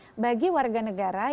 undang undang hanya menyebutkan